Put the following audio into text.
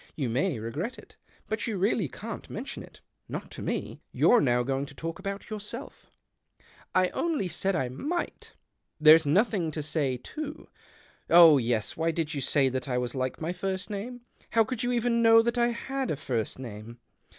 You may regret it. But you really can't mention it — not to me. You're now going to talk about yourself." " I only said I miglit There's nothing to say, too. Oh yes, why did you say that I was like my first name ? How could you even know that I had a first name